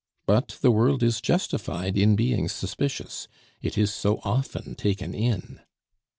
But the world is justified in being suspicious; it is so often taken in!